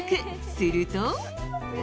すると。